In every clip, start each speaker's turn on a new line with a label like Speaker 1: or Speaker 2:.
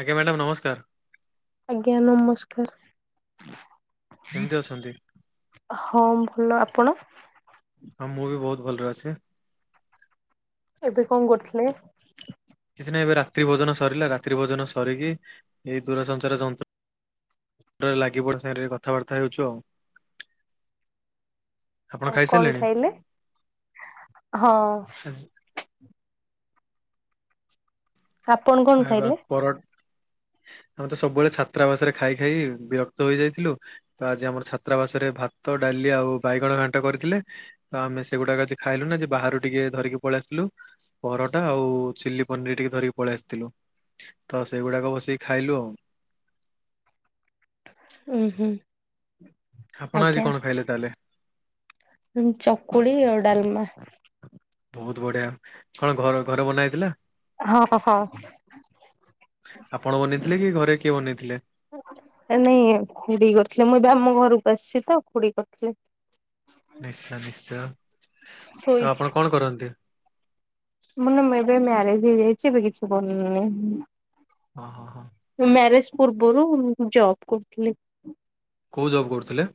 Speaker 1: ଆଜ୍ଞା ମ୍ୟାଡ଼ାମ ନମସ୍କାର।
Speaker 2: ଆଜ୍ଞା ନମସ୍କାର।
Speaker 1: କେମିତି ଅଛନ୍ତି?
Speaker 2: ହଁ ଭଲ ଆପଣ?
Speaker 1: ହଁ ମୁଁ ବି ବହୁତ ଭଲରେ ଅଛି।
Speaker 2: ଏବେ କଣ କରୁଥିଲେ?
Speaker 1: କିଛି ନାହିଁ ଏବେ ରାତ୍ରି ଭୋଜନ ସରିଲା, ରାତ୍ରି ଭୋଜନ ସରିକି ଏଇ ଦୂରସଞ୍ଚାର ଯନ୍ତ୍ର ରେ ଲାଗି ପଡସାରେ କଥାବାର୍ତ୍ତା ହେଉଛୁ ଆଉ। ଆପଣ
Speaker 2: ଅ କଣ
Speaker 1: ଖାଇସାରିଲେଣି?
Speaker 2: ଖାଇଲେ ହଁ।
Speaker 1: ଆଜି-
Speaker 2: ଆପଣ କଣ
Speaker 1: ଆଇବା
Speaker 2: ଖାଇଲେ?
Speaker 1: ପର ଆମେ ତ ସବୁବେଳେ ଛାତ୍ରାବାସରେ ଖାଇ ଖାଇ ବିରକ୍ତ ହୋଇଯାଇଥିଲୁ। ତ ଆଜି ଆମର ଛାତ୍ରାବାସରେ ଭାତ ଡାଲି ଆଉ ବାଇଗଣ ଘାଣ୍ଟ କରିଥିଲେ। ତ ଆମେ ସେଗୁଡାକ ଆଜି ଖାଇଲୁ ନୁ ଯେ ବାହାରୁ ଟିକେ ଧରିକି ପଳେଇ ଆସିଲୁ। ପରଟା ଆଉ ଚିଲି ପନିର ଟିକେ ଧରିକି ପଳେଇ ଆସ ଥିଲୁ ତ ସେଗୁଡାକ ବସିକି ଖାଇଲୁ ଆଉ।
Speaker 2: ଉଁ ହୁଁ।
Speaker 1: ଆପଣ ଆଜି କଣ ଖାଇଲେ ତାହେଲେ?
Speaker 2: ମୁଁ ଚକୁଳି ଆଉ ଡାଲମା।
Speaker 1: ବହୁତ ବଢିଆ କଣ ଘର ଘରେ ବନା ହେଇଥିଲା?
Speaker 2: ହଁ ପଖାଳ।
Speaker 1: ଆପଣ ବନେଇଥିଲେ କି ଘରେ କିଏ ବନେଇଥିଲେ?
Speaker 2: ନାଇଁ ନାଇଁ ଖୁଡି କରିଥିଲେ ମୁଁ ଏବେ ଆମ ଘରକୁ ଆସିଛି ତ ଖୁଡି କରିଥିଲେ।
Speaker 1: ନିଶ୍ଚୟ ନିଶ୍ଚୟ ତ
Speaker 2: ଶୋଇଛି
Speaker 1: ଆପଣ କଣ କରନ୍ତି?
Speaker 2: ମୁଁ ନା ମୁଁ ଏବେ ମ୍ୟାରେଜ ହେଇଯାଇଛି ଏବେ କିଛି କରନି।
Speaker 1: ହଁ ହଁ ହଁ।
Speaker 2: ମୁଁ ମ୍ୟାରେଜ ପୂର୍ବରୁ ମୁ ଜବ୍ କରୁଥିଲି।
Speaker 1: କୋଉ ଜବ୍ କରୁଥିଲେ?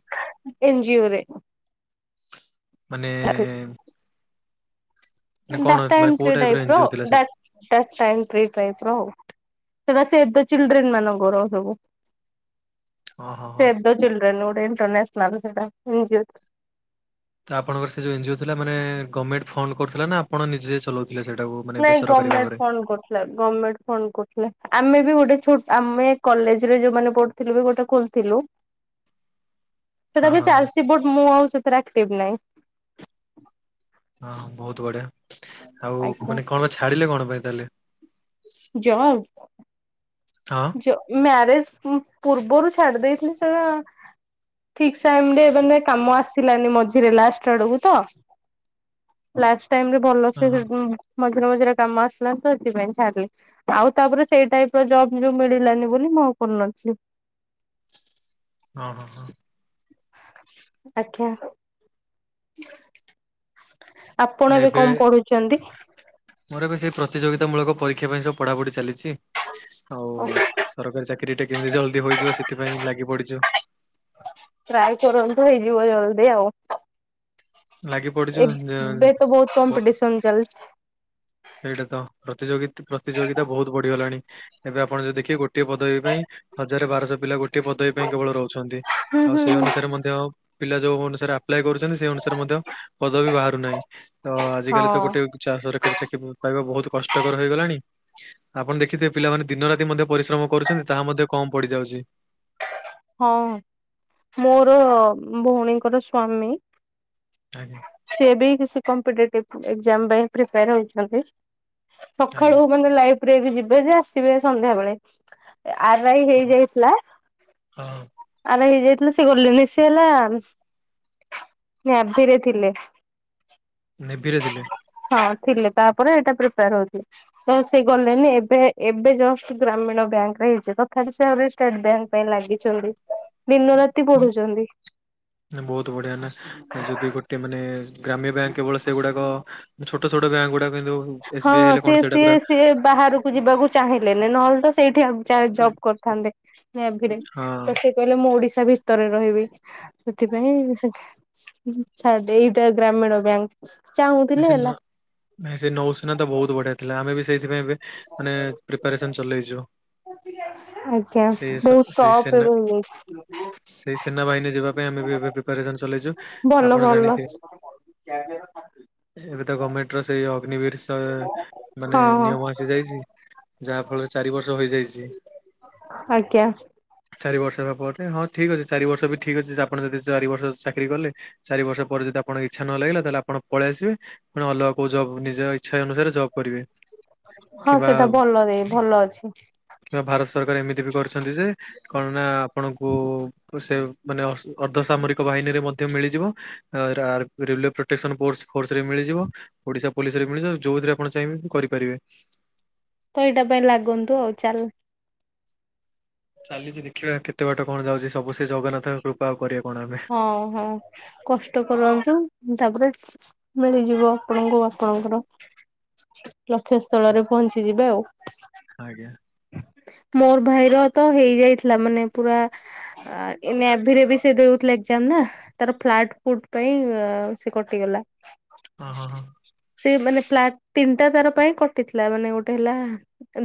Speaker 2: ଏନ୍ ଜିଓରେ।
Speaker 1: ମାନେ ମାନେ କଣ
Speaker 2: ଡାଟା
Speaker 1: ମାନେ କୋଉ
Speaker 2: ଏଣ୍ଟ୍ରି ଟାଇପ ର
Speaker 1: ଏନଜିଓ ଥିଲା
Speaker 2: ଡା
Speaker 1: ସେଠି?
Speaker 2: ଟା ଏଣ୍ଟ୍ରି ଟାଇପ ର ଆଉ। ସେଟା ସେ ଦେ ଚିଲଡ୍ରେନ୍ ମାନଙ୍କର ସବୁ।
Speaker 1: ଅଁ ହଁ ହଁ।
Speaker 2: ଚିଲ୍ଲଡ୍ରେନ ଗୋଟେ ନଣ୍ଟରନେସନଲ ସେଇଟା ମ୍ୟୁଜିୟେଲ।
Speaker 1: ତ ଆପଣଙ୍କର ସେ ଯୋଉ ଏଜିଓ ଥିଲା ମାନେ ଗମେଣ୍ଟ ଫଣ୍ଡ କରୁଥିଲା ନା ଆପଣ ନିଜେ ଚଲଉଥିଲେ ସେଇଟାକୁ?
Speaker 2: [unintelligible] [unintelligible] ଥିଲୁ ବି ଗୋଟେ ଖୋଲଥିଲୁ।
Speaker 1: [unintelligible]
Speaker 2: ସେଟା ଯୋଉ
Speaker 1: ହଁ
Speaker 2: ଚାଲିଛି ବଟ ମୁଁ ଆଉ ସେଥିରେ ଆକ୍ଟିଭ ନାହିଁ।
Speaker 1: ହଁ ବହୁତ ବଢିଆ। ଆଉ
Speaker 2: ଆଜ୍ଞା
Speaker 1: ମାନେ କଣ ପାଇଁ ଛାଡିଲେ କଣ ପାଇଁ ତାହେଲେ।
Speaker 2: ଯବ୍?
Speaker 1: ହଁ
Speaker 2: ମ୍ୟାରେଜ ପୂର୍ବରୁ ଛାଡି ଦେଇେଇଥିଲି ସେଟା ଠିକ୍ [unintelligible] ମାନେ କାମ ଆସିଲାନି ମଝିରେ ଲାଷ୍ଟ ଆଡକୁ ତ। ଲାଷ୍ଟ୍ ଟାଇମରେ ଭଲ
Speaker 1: ହଁ
Speaker 2: ସେ
Speaker 1: ହଁ
Speaker 2: ହେବ। ମଝିରେ ମଝିରେ କାମ ଆସିଲାନି ତ ସେଥିପାଇଁ ଛାଡିଲି ଆଉ ତାପରେ ସେଇ ଟାଇପ ର ଜବ୍। ଯଉ ମିଳିଲାନି ବୋଲି ମୁଁ ଆଉ କରୁ ନ ଥିଲି।
Speaker 1: ହଁ ହଁ ହଁ।
Speaker 2: [unintelligible]
Speaker 1: ହେଲେ
Speaker 2: ଆପଣ ବି
Speaker 1: ଏବେ
Speaker 2: କଣ ପଢୁଛନ୍ତି?
Speaker 1: ମୋର ଏବେ ସେଇ ପ୍ରତିଯୋଗିତା ମୂଳକ ପରୀକ୍ଷା ପାଇଁ ସବୁ ପଢାପଢି ଚାଲିଛି। ଆଉ ସରକାରୀ ଚାକିରିୀ ଟା କେମିତି ଜଲଦି ହୋଇଯିବ ସେଥିପାଇଁ ଲାଗି ପଡିଛୁ।
Speaker 2: ଟ୍ରାଏ କରନ୍ତୁ ହେଇଯିବ ଜଲଦି ଆଉ।
Speaker 1: ଲାଗି ପଡିଛୁ
Speaker 2: ଏବେ
Speaker 1: ଅ
Speaker 2: ତ ବହୁତ କମ୍ପିଟିସନ ଚାଲଛି।
Speaker 1: ସେଇଟା ତ ପ୍ରତିଯୋଗ ପ୍ରତିଯୋଗିତା ବହୁତ ବଢିଗଲାଣି ଏବେ ଆପଣ ଯଦି ଦେଖିବେ ଗୋଟେ ଗୋଟିଏ ପଦବୀ ପାଇଁ ହଜାର ବାରଶହ ପିଲା ଗୋଟିଏ ପଦବୀ ପାଇଁ କେବଳ ରହୁଛନ୍ତି
Speaker 2: ହୁଁ
Speaker 1: ଆଉ
Speaker 2: ହୁଁ
Speaker 1: ସେଇ
Speaker 2: ହୁଁ।
Speaker 1: ଅନୁସାରେ ମଧ୍ୟ ପିଲା ଯୋଉ ଅନୁସାରେ ଆପ୍ଲାଏ କରୁଛନ୍ତି। ସେ ଅନୁସାରେ ମଧ୍ୟ ପଦ ବି ବାହାରୁ ନାହିଁ ତ
Speaker 2: ହଁ
Speaker 1: ଆଜିକାଲି ତ ଗୋଟେ ସରକାରୀ ଚାକିରି ପାଇବା ବହୁତ କଷ୍ଟକର ହେଇଗଲାଣି। ଆପଣ ଦେଖିଥିବେ ପିଲାମାନେ ଦିନ ରାତି ମଧ୍ୟ ପରିଶ୍ରମ କରୁଛନ୍ତି ତାହା ମଧ୍ୟ କମ ପଡିଯାଉଛି।
Speaker 2: ହଁ ମୋର ଭଉଣୀଙ୍କର ସ୍ଵାମୀ।
Speaker 1: ଆଜ୍ଞା।
Speaker 2: ସିଏ ବି ସେ କମ୍ପିଟେଟିଭ୍ [unintelligible] କାମପାଇଁ ହେଉଛନ୍ତି।
Speaker 1: ଆଜ୍ଞା
Speaker 2: ସକାଳୁ ମାନେ ଲାଇଫରେ ଯିବେ ଯେ ଆସିବେ ସନ୍ଧ୍ୟାବେେଳେ। ଆ ରା ଇ
Speaker 1: ହଁ
Speaker 2: ହେଇଯାଇଥିଲା।
Speaker 1: ହଁ।
Speaker 2: ଆ ରା ଇ ହେଇଯାଇଥିଲା ସେ [unintelligible] ନ୍ୟାଭିିରେ ଥିଲେ।
Speaker 1: ନେଭିିରେ ଥିଲେ।
Speaker 2: ହଁ ଥିଲେ ତାପରେ ଏଇଟା ପ୍ରିପେୟାର ହଉଥିଲେ। ହଁ ସେ ଗଲେଣିି ଏବେ ଏବେ ଜଷ୍ଟ ଗ୍ରାମୀଣ ବ୍ୟାଙ୍କ ରେ ହେଇଛି। ତଥାପି ସେ ଆହୁରି ଷ୍ଟେଟ ବ୍ୟାଙ୍କ ପାଇଁ ଲାଗିଛି। ଦିନ ରାତି ପଢୁଛନ୍ତି।
Speaker 1: ବହୁତ ବଢିଆ ନା ଯଦି ଗୋଟେ ମାନେ ଗ୍ରାମ୍ୟ ବ୍ୟାଙ୍କ କେବଳ ସେଗୁଡାକ ଛୋଟ ଛୋଟ ବ୍ୟାଙ୍କ ଗୁଡାକ କିନ୍ତୁ ଏସ୍
Speaker 2: ହଁ
Speaker 1: ବି ଆଇ ହେଲେ
Speaker 2: ସି
Speaker 1: କଣ ସେଇଟା
Speaker 2: ସିଏ
Speaker 1: ପୁରା
Speaker 2: ସିଏ ବାହାରକୁ ଯିବାକୁ ଚାହିଁଲେନି ନହେଲେ ତ ସେଇଠି ଆ ଜବ୍ କରିଥାନ୍ତେ।
Speaker 1: ହଁ
Speaker 2: [unintelligible] ସେ କହିଲେ ମୁଁ ଓଡିଶା ଭିତରେ ରହିବି। ସେଥିପାଇଁ ସେ [unintelligible] ଏଇଟା ଗ୍ରାମୀଣ ବ୍ୟାଙ୍କ। ଚାହୁଁଥିଲେ ହେଲା
Speaker 1: [unintelligible] ନା ସେ ନୌସେନା ତ ବହୁତ ବଢିଆ ଥିଲା। ଆମେ ବି ସେଇଥିପାଇଁ ଏବେ ମାନେ ପ୍ରି ପ୍ରିପ୍ୟାରସନ୍ ଚଲେଇଚୁ। ସେଇ ସେନା
Speaker 2: [unintelligible]
Speaker 1: ସେଇ ସେନା ବାହିନୀ ଯିବା ପାଇଁ ଆମେ ବି ଏ ପ୍ରିପାରେସନ ଚଲେଇଛୁ,
Speaker 2: ଭଲ
Speaker 1: ଆପଣ
Speaker 2: ଭଲ।
Speaker 1: ଜାଣିଥିବେ।
Speaker 2: [inaudible]
Speaker 1: ଏବେ ତ ଗଭର୍ଣ୍ଣମେଣ୍ଟ ର ସେଇ ଅଗ୍ନିବିର ମାନେ
Speaker 2: ହଁ ହଁ
Speaker 1: ନିୟମ ଆସିଯାଇଛି। ଯାହା ଫଳରେ ଚାରି ବର୍ଷ ହେଇଯାଇଛି।
Speaker 2: ଆଜ୍ଞା
Speaker 1: ଚାରି ବର୍ଷ ହେବା ପରେ ହଁ ଠିକ୍ ଅଛି ଚାରି ବର୍ଷ ବି ଠିକ୍ ଅଛି ଆପଣ ଯଦି ଚାରି ବର୍ଷ ଚାକିରି କଲେ। ଚାରିବର୍ଷ ପରେ ଯଦି ଆପଣଙ୍କ ଇଚ୍ଛା ନ ଲାଗିଲ ତାହେଲେ ଆପଣ ପଳେଇ ଆସିବେ ଅଲଗା କୋଉ ଜବ ନିଜ ଇଚ୍ଛା ଅନୁସାରେ ଜବ୍ କରିବେ।
Speaker 2: ହଁ
Speaker 1: କିମ୍ବା
Speaker 2: ସେଟା ଭଲରେ ଭଲ ଅଛି।
Speaker 1: କିମ୍ବା ଭାରତ ସରକାର ଏମିତି ବି କରିଛନ୍ତି ଯେ କଣ ନା ଆପଣଙ୍କୁ ସେ ମାନେ ଅର୍ଦ୍ଧ ସାମରିକ ବାହିନୀରେ ମଧ୍ୟ ମିଳିଯିବ। ର ରେଲୱେ ପ୍ରୋଟେସନ୍ ଫୋର୍ସ। ଫୋର୍ସ ରେ ମିଳିଯିବ ଓଡିଶା ପୋଲିସ ରେ ମିଳିଯିବ ଯୋଉଥିରେ ଆପଣ ଚାହିଁବେ କରିପାରିବେ।
Speaker 2: ତ ଏଇଟା ପାଇଁ ଲାଗନ୍ତୁ ଆଉ ଚାଲ
Speaker 1: ଚାଲିଛି ଦେଖିବା କେତେ ବାଟ କଣ ଯାଉଛି ସବୁ ସେ ଜଗନ୍ନାଥଙ୍କ କୃପା ଆଉ କରିବା। କଣ ଆମେ
Speaker 2: ହଁ ହଁ କଷ୍ଟ କରନ୍ତୁ ତାପରେ ମିଳିଯିବ ଆପଣଙ୍କୁ ଆପଣଙ୍କର ଲକ୍ଷ୍ୟସ୍ଥଳରେ ପହଞ୍ଚି ଯିବେ ଆଉ।
Speaker 1: ଆଞା।
Speaker 2: ମୋର ଭାଇରତ ହେଇଯାଇଥିଲା ମାନେ ପୁରା ଆ ନେଭିରେ ବି ସେ ଦଉ ନା ତାର ପ୍ଲଟ ଫୁଟ ପାଇଁ ସେ କଟିଗଲା।
Speaker 1: ହଁ ହଁ ହଁ
Speaker 2: ସେ ମାନେ ଫ୍ଲାଟ ତିନିଟା ତାର ପାଇଁ କଟିଥିଲା ମାନେ ଗୋଟେ ହେଲା।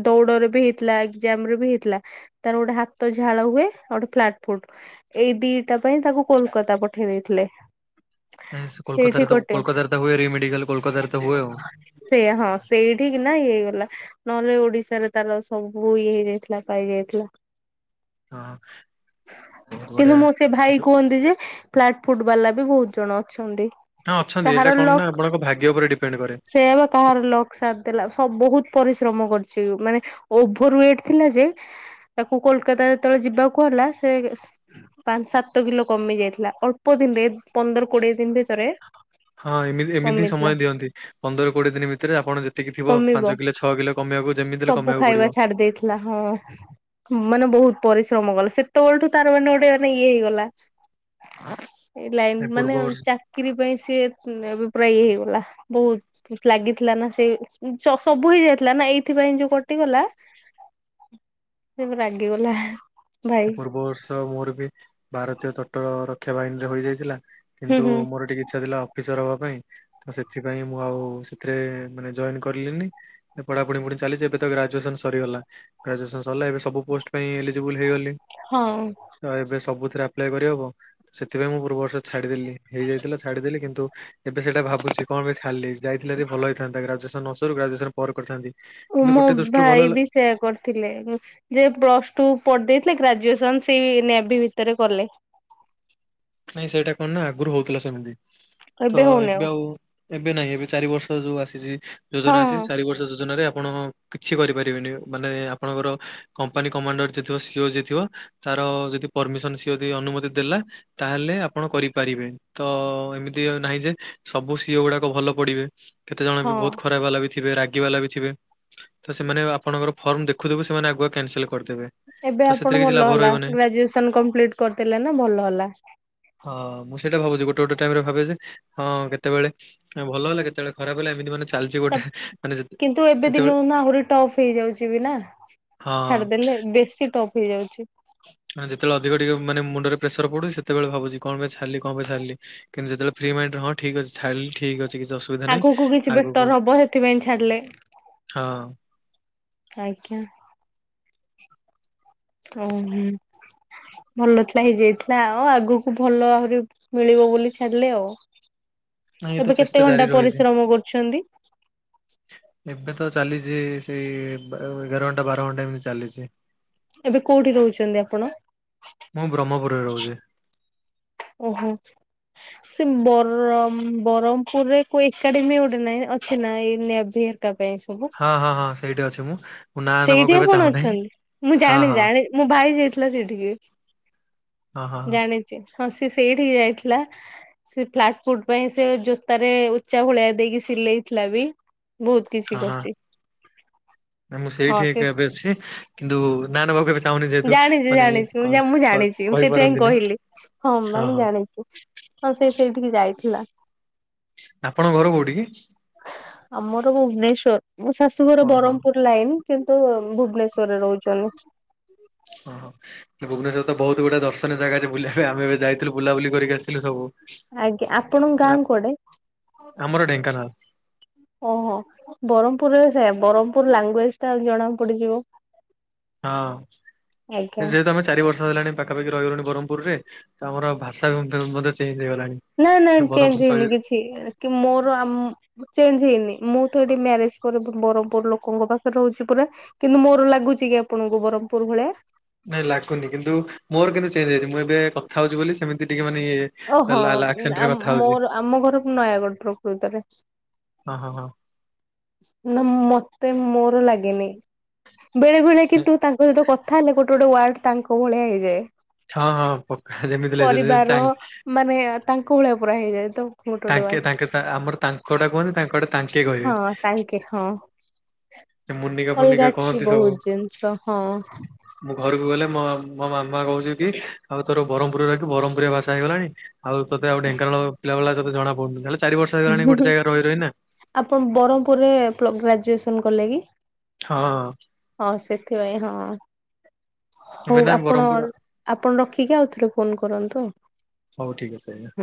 Speaker 2: ଦୌଡରେ ବି ହେଇଥିଲା ଏକ୍ସାମ୍ ରେ ବି ହେଇଥିଲା। ତାର ଗୋଟେ ହାତ ଝାଳ ହୁଏ ଗୋଟେ ଫ୍ଲାଟ ଫୁଟ ଏଇ ଦିଟା ପାଇଁ ତାକୁ କୋଲକାତା ପଠେଇ ଦେଇେଥିଲେ।
Speaker 1: ସେ କୋଲକାତାରେ ତ କଲକତା ତ ହୁଏ ରିମେଡିକାଲ କୋଲକତାରେ ତ ହୁଏ ଆଉ।
Speaker 2: ସେଇଆ ହଁ ସେଇଠିକ ନା ଇଏ ହେଇଗଲା। ନହେଲେ ଓଡିଶାରେ ତାର ସବୁ ଇଏ ହେଇଯାଇଥିଲା ପାଇ ଯାଇଥିଲା।
Speaker 1: ହଁ ବହୁତ ବଢିଆ।
Speaker 2: ଖାଇ କୁହନ୍ତି ଯେ ଫ୍ଲାଟ ଫୁଟ ବାଲା ବି ବହୁତ ଜଣ ଅଛନ୍ତି।
Speaker 1: ହଁ ଅଛନ୍ତି
Speaker 2: କାହାର
Speaker 1: ଏଇଟା କଣ ନା ଆପଣଙ୍କ ଭାଗ୍ୟ ଉପରେ ଡିପେଣ୍ଡ କରେ।
Speaker 2: ବାହାର ଲକ୍ ସାଥ ଦେଲା ସବ ବହୁତ ପରିଶ୍ରମ କରିଛି ମାନେ ଓଭର ୱେଟ ଥିଲା ଯେ ତାକୁ କୋଲକାତା ଯେତେବେଳେ ଯିବାକୁ ହେଲା ସେ ପାଞ୍ଚ ସାତ କିଲୋ କମି ଯାଇଥିଲା ଅଳ୍ପ ଦିନରେ ପନ୍ଦର କୋଡିଏ ଦିନ ଭିତରେ।
Speaker 1: ହଁ ଏମି ଏମିତି ହି
Speaker 2: କମିଥିଲା
Speaker 1: ସମୟ ଦିଅନ୍ତି। ପନ୍ଦର କୋଡିଏ ଦିନ ଭିତରେ ଆପଣ ଯେତିକି ଥିବ
Speaker 2: କମିବ
Speaker 1: ପାଞ୍ଚ କିଲୋ ଛଅ କିଲୋ କମିବାକୁ ଯେମିତି ହେଲେ
Speaker 2: ସବୁ
Speaker 1: କମେଇବାକୁ
Speaker 2: ଖାଇବା
Speaker 1: ପଡିବ।
Speaker 2: ଛାଡି ଦେଇଥିଲା ହଁ ମାନେ ବହୁତ ପରିଶ୍ରମ କଲା ସେତେବେଳଠୁ ତାର ମାନେ ଗୋଟେ ଇଏ ହେଇଗଲା ଲାଇନ
Speaker 1: ଏ
Speaker 2: ମାନେ
Speaker 1: ପୂର୍ବ ବର୍ଷ
Speaker 2: ଚା ଚାକିରି ପାଇଁ ସି ଅଭିପ୍ରାୟ ହେଇଗଲା ବହୁତ ଲାଗିଥିଲା ନା ସେଇ ସବୁ ହେଇଯାଇଥିଲା ନା ଏଇଥିପାଇଁ ଯୋଉ କଟିଗଲା। ସେ ରାଗିଗଲା। ଭାଇ
Speaker 1: ପୂର୍ବ ବର୍ଷ ମୋର ବି ଭାରତୀୟ ତଟ ରକ୍ଷା ବାହିନୀରେ ହୋଇଯାଇଥିଲା
Speaker 2: ହୁଁ
Speaker 1: କିନ୍ତୁ
Speaker 2: ହୁଁ
Speaker 1: ମୋର ଟିକେ ଇଚ୍ଛା ଥିଲା ଅଫିସର ହବା ପାଇଁ। ତ ସେଥିପାଇଁ ମୁଁ ଆଉ ସେଥିରେ ମାନେ ଜଏନ୍ କରଲିିନି। ଏ ପଢାପଢି ପୁଣି ଚାଲିଚି ଏବେ ତ ଗ୍ରାଜୁଏସନ ସରିଗଲା। ଗ୍ରାଜୁଏସନ୍ ସିରଲା ଏବେ ସବୁ ପୋଷ୍ଟ ପାଇଁ ଏଲିଜିବୁ୍ଲ୍ ହେଇଗଲି।
Speaker 2: ହଁଅଁ।
Speaker 1: ତ ଏବେ ସବୁଥେରେ ଆପ୍ଲାଏ କରିହବ। ସେଥିପାଇଁ ମୁଁ ପୂର୍ବବର୍ଷ ଛାଡିଦେଲି, ହେଇଯାଇଥିଲା ଛାଡିଦେଲି କିନ୍ତୁ ଏବେ ସେଇଟା ଭାବୁଛି କଣ ପେଇଁ ଛାଲି ଯାଇଥିଲେ ଏରି ଭଲ ହେଇଥାନ୍ତା। ଗ୍ଗ୍ରାଜୁଏସନ ନ ସରୁ ଗ୍ରାଜୁଏସନ ପରେ କରିଥାନ୍ତି। କିନ୍ତୁ, ଗୋଟେ ଦୃଷ୍ଟିରୁ ଭଲ ହେଲା।
Speaker 2: ଥିଲେ ଯେ ପ୍ଲସ୍ ଟୁ ପଡ ଦେଇଥିଲେ ଗ୍ରାଜୁଏସନ୍ ସେଇ ନ୍ୟାଭି ଭିତେରେ କଲେ।
Speaker 1: ନାଇଁ ସେଇଟା କଣ ନା ଆଗୁରୁ ହଉଥିଲା ସେମିତି ତ ଏବେ ଆଉ ଏବେ ନାହିଁ ଏବେ ଚାରି ବର୍ଷ ଯୋଉ ଆସିଚି
Speaker 2: ହଁ
Speaker 1: ଯୋଜନା ଆସିଚି ଚାରି ବର୍ଷ ଯୋଜନାରେ ଆପଣ ଅ କିଛି କରି ପାରିବେନି ମାନେ ଆପଣଙ୍କର କମ୍ପାନୀ କମାଣ୍ଡର ଯିଏ ଥିବ ସି ଓ ଯିଏ ଥିବ ତାର ଯଦି ପରମିସନ ସିଓ ଅଦି ଅନୁମତି ଦେଲା ତାହେଲେ ଆପଣ କରିପାରିବେ। ତ ଏମିତି ନାହିଁ ଯେ ସବୁ ସି ଓ ଗୁଡାକ ଭଲ ପଡିବେ। କେତେ ଜଣ
Speaker 2: ହଁ
Speaker 1: ବି ବହୁତ୍ ଖରାପ ବାଲା ବି ଥିବେ ରା ଗି ବାଲା ବି ଥିବେ, ତ ସେମାନେ ଆପଣଙ୍କର ଫର୍ମ ଦେଖୁ ଦେଖୁ ସେମାନେ ଆଗୁଆ କ୍ୟାନସେଲ୍ କରଦେବେ।
Speaker 2: ଏବେ ଆପଣ ଭଲ ହେଲା ଗ୍ରାଜୁଏସନ୍ କମ୍ପ୍ଲିଟ୍ କରିଦେଲେ ନା ଭଲ ହେଲା।
Speaker 1: ହଁ ମୁଁ ସେଇଟା ଭାବୁଚି ଗୋଟେ ଗୋଟେ ଟାଇମ ରେ ଭାବେ ଯେ ହଁ କେତେବେଳେ ଭଲ ହେଲା କେତେବେଳେ ଖରାପ ହେଲା ଏମିତି ମାନେ ଛେ
Speaker 2: ତାଵ କିନ୍ତୁ ଏବେ ଦିନୁ ନା ଆହୁରି ଟପ୍ ହେଇଯାଉଛି ବି ନା।
Speaker 1: ହଁ
Speaker 2: ଛାଡିଦେଲେ ବେଶୀ ଟପ୍ ହେଇଯାଉଛି।
Speaker 1: ଯେତେବେଳେ ଅଧିକ ଟିକେ ଉଁ ମାନେ ମୁଣ୍ଡରେ ପ୍ରେସର ପଡୁଛି ସେତେବେ ଭାବୁଚି କଣ ପାଇଁ ଛାଲି କଣ ପାଇଁ ଛାିଲି। କିନ୍ତୁ ଯେତେଳେ ଫ୍ରି ମାଇଣ୍ଡରେ ହଁ ଠିକ୍ ଅଛି ଛାଲି ଠିକ୍ ଅଛି କିଛି ଅସୁ
Speaker 2: ଆଗୁକୁ କିଛି ବେଟର ହବ ସେଥିପାଇଁ ଛାଡିଲେ।
Speaker 1: ହଁଅଁ।
Speaker 2: ଆଜ୍ଞା। ଓ ହୁଁଉଁ, ଭଲ ଥିଲା ହେଇଯାଇଥିଲା ଆ ଓ ଆଗୁକୁ ଭଲ ଆହୁରି ମିଳିବ ବୋଲି ଛାଡିଲେ ଆଉ,
Speaker 1: ନାଇଁ ଏ
Speaker 2: ଏବେ କେତେ ଘଣ୍ଟା ପରିଶ୍ରମ କରୁଛନ୍ତି?
Speaker 1: ହ ଏବେ ତ ଚାଲିଛି ସେଇ ବାର ଏଗାର ଘଣ୍ଟା ବାର ଘଣ୍ଟା ଏମିତି ଚାଲିଛି।
Speaker 2: ଏବେ କୋଉଠି ରହୁଛନ୍ତି ଆପଣ?
Speaker 1: ମୁଁ ବ୍ରହ୍ମପୁରରେ ରହୁଛି।
Speaker 2: ଓହୋ। ସେ ବରମ ବରହମପୁରରେ କୋଇ ଏକାଡେମୀ ଉଡ଼ନେ ଅଛି ନା ଏଇ ଲ୍ୟାଭ ବି ହେ। କା ପେଇଁ ସବୁ,
Speaker 1: ହଁ ହଁ ହଁ ସେଇଠି ଅଛି ମୁଁ ମୁଁ ନାଁ ନେବାକୁ
Speaker 2: ସେଇଠି ଆଉ
Speaker 1: ଏବେ
Speaker 2: କଣ
Speaker 1: ଚାହୁଁନାହିଁ
Speaker 2: ଅଛନ୍ତି? ମୁଁ
Speaker 1: ହଁ
Speaker 2: ଜାଣିଚି
Speaker 1: ହଁ
Speaker 2: ଜାଣିଚି ମୋ ଭାଇ ଯାଇଥିଲା ସେଇଠିକି।
Speaker 1: ହ ହ ହ।
Speaker 2: ଜାଣିଛି ହଁ ସିଏ ସେଇଠିକି ଯାଇଥିଲା। ସେ ଫ୍ଲାଟ୍ ଫୁଟ୍ ପାଇଁ ସେ ଜୋତାରେ ଉଚ୍ଚା ଭଳିଆ ଦେଇକି ସିଲେଇ ଥିଲା ବି ବହୁତ୍ କିଛି
Speaker 1: ହଁ ହଁ
Speaker 2: କରୁଚି।
Speaker 1: ନା ମୁଁ ସେଇଠି ଏକା ଏବେ ଅଛି। କିନ୍ତୁ ନା ନା ବାବୁ ଏବେ ଚାହୁଁନି ଯେହେତୁ
Speaker 2: ଜାଣିଛି
Speaker 1: ମାନେ
Speaker 2: ଜାଣିଛି
Speaker 1: କ
Speaker 2: ମୁଁ ମୁଁ
Speaker 1: କ
Speaker 2: ଜାଣିଛି ମୁଁ ସେଥିପାଇଁ
Speaker 1: କହିପାରନ୍ତିନି।
Speaker 2: କହିଲି। ହଁ ବା ମୁଁ ଜାଣିଚି, ହଁ ସେ ସେଇଠିକି ଯାଇଥିଲା।
Speaker 1: ଆପଣଙ୍କ ଘର କୋଉଠି କି?
Speaker 2: ଆମର ଭୁବନେଶ୍ଵର ମୋ ଶାଶୁଘର
Speaker 1: ଓହୋ
Speaker 2: ବରମ୍ ପୁର୍ ଲାଇନ୍। କିନ୍ତୁ ଭୁବନେଶ୍ଵରରେ ରହୁଛନ୍ତି
Speaker 1: ଓ ହୋ ଭୁବନେଶ୍ୱରରେ ତ ବହୁତ ଗୁଡ଼ାଏ ଦର୍ଶନୀୟ ଜାଗା ଅଛି ବୁଲିବା ପାଇଁ ଆମେ ଏବେ ଯାଇଥିଲୁ ବୁଲାବୁଲି କରିକ ଆସିଲୁ ସବୁ
Speaker 2: ଆଜ୍ଞା ଆପଣଙ୍କ
Speaker 1: ଆ
Speaker 2: ଗାଁ କୁଆଡେ?
Speaker 1: ଆମର ଢେଙ୍କାନାଳ
Speaker 2: ଓହୋ ବ୍ରହ୍ମପୁରରେ ସେୟା ବ୍ରହ୍ମପୁର ଲାଙ୍ଗୁଏଜ୍ ଟା ଆଉ ଜଣା ପଡ଼ିଯିବ
Speaker 1: ହଁ
Speaker 2: ଆଜ୍ଞା
Speaker 1: ଯେହେତୁ ଆମେ ଚାରି ବର୍ଷ ହେଲାଣି ପାଖାପାଖି ରହିଗଲୁଣି ବ୍ରହ୍ମପୁରରେ ତ ଆମର ଭାଷା ବି ମଧ୍ୟ ମଧ୍ୟ ଚେଞ୍ଜ୍ ହେଇଗଲାଣି
Speaker 2: ନାଁ ନାଁ
Speaker 1: ବ୍ରହ୍ମପୁର
Speaker 2: ଚେଞ୍ଜ୍ ହେଇନି
Speaker 1: ଶୈଳୀରେ।
Speaker 2: କିଛି କି ମୋର ଆମ ଚେଞ୍ଜ୍ ହେଇନି ମୁଁ ତ ଏଠି ମ୍ୟାରେଜ୍ ପରେ ବରହ୍ପୁର ଲୋକଙ୍କ ପାଖରେ ରହୁଛି ପୁରା କିନ୍ତୁ ମୋର ଲାଗୁଛି କି ଆପଣଙ୍କୁ ବ୍ରହ୍ମପୁର ଭଳିଆ?
Speaker 1: ନାଇଁ ଲାଗୁନି କିନ୍ତୁ ମୋର କିନ୍ତୁ ଚେଞ୍ଜ୍ ହେଇଛି ମୁଁ ଏବେ କଥା ହଉଛି ବୋଲି ସେମିତି ଟିକେ ମାନେ ୟିଏ
Speaker 2: ଓହୋ ମୋର ଆମ ଘର ନୟାଗଡ଼ ପ୍ରକୃତରେ
Speaker 1: ହଁ ହଁ ହଁ
Speaker 2: ନା ମତେ ମୋର ଲାଗେନି ବେଳେ ବେଳେ କିନ୍ତୁ ତାଙ୍କ ସହିତ କଥା କଥା ହେଲେ ଗୋଟେ ଗୋଟେ ୱାର୍ଡ ତାଙ୍କ ଭଳିଆ ହେଇଯାଏ
Speaker 1: ହଁ ହଁ ପକା ଯେମିତି ହେଲେ
Speaker 2: କରିବାର
Speaker 1: ତାଙ୍କେ [unintelligible]
Speaker 2: ମାନେ ତାଙ୍କ ଭଳିଆ ପୁରା ହେଇଯାଏ ତ? ଗୋଟେ ଗୋଟେ ୱାର୍ଡ।
Speaker 1: ତାଙ୍କେ ତାଙ୍କେ ଆମର ତାଙ୍କ ଟା କୁହନ୍ତି ତାଙ୍କ ଆଡ଼େ
Speaker 2: ହଁ ତାଙ୍କେ ହଁ
Speaker 1: ମୁନିକା ଫୁନିକା
Speaker 2: ଅଲଗା ଅଛି
Speaker 1: କହନ୍ତି ସବୁ।
Speaker 2: ବହୁତ ଜିନିଷ ହଁ
Speaker 1: ମୁଁ ଘରକୁ ଗଲେ ମୋ ମୋ ମାମା କହୁଛି କି ଆଉ ତୋର ବ୍ରହ୍ମପୁରରେ ରହିକି ବ୍ରହ୍ମପୁରିଆ ଭାଷା ହେଇଗଲାଣି ଆଉ ତତେ ଆଉ ଢେଙ୍କାନାଳ ପିଲା ଭଳିଆ ତତେ ଜଣା ପଡୁନି ଯାହା ହେଲେ ଚାରି ବର୍ଷ ହେଇଗଲାଣି ଗୋଟୋ ଯାଗାରେ ରହି ରହି ନା
Speaker 2: ଆପଣ ବ୍ରହ୍ମପୁରରେ ପ୍ଲ ଗ୍ରାଜୁଏସନ୍ କଲେ କି?
Speaker 1: ହଁ
Speaker 2: ହଁ ସେଥିପାଇଁ ହଁ
Speaker 1: ତମେ
Speaker 2: ହଉ
Speaker 1: ଏଇନା
Speaker 2: ଆପଣ
Speaker 1: ବ୍ରହ୍ମପୁର
Speaker 2: ଆପଣ ରଖିକି ଆଉ ଥରେ ଫୋନ କରନ୍ତୁ ଆଉ
Speaker 1: ହଉ ଠିକ୍ ଅଛି ଆଜ୍ଞା